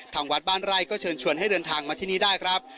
ทางวัดบ้านไร่ก็เชิญชวนให้เดินทางมาที่นี่ได้ครับ